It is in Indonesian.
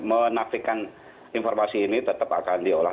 menafikan informasi ini tetap akan diolah